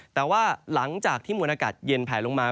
แต่ว่าหลังจากที่มวลอากาศเย็นแผลลงมา